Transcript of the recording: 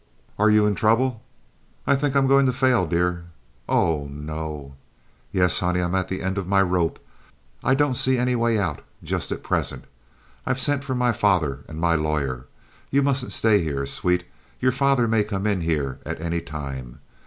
"Are you in trouble?" "I think I am going to fail, dear." "Oh, no!" "Yes, honey. I'm at the end of my rope. I don't see any way out just at present. I've sent for my father and my lawyer. You mustn't stay here, sweet. Your father may come in here at any time.